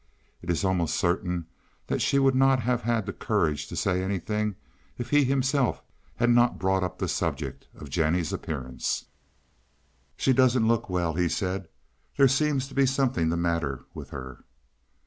It is almost certain that she would not have had the courage to say anything if he himself had not brought up the subject of Jennie's appearance. "She doesn't look well," he said. "There seems to be something the matter with her."